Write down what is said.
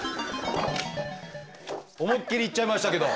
思いっきりいっちゃいましたけど。